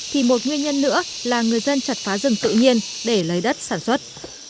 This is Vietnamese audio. thì một nguyên nhân nữa là người dân chặt phá rừng tự nhiên để lấy đất sản xuất